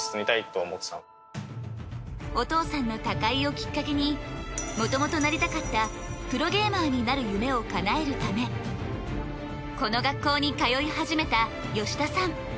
お父さんの他界をきっかけにもともとなりたかったプロゲーマーになる夢を叶えるためこの学校に通い始めた吉田さん。